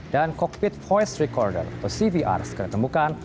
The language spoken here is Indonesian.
dan cockpit voice recorder atau cvr segera ditemukan